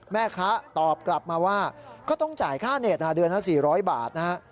แม่ค้าตอบกลับมาว่าก็ต้องจ่ายค่าเน็ตเดือนละ๔๐๐บาทนะฮะ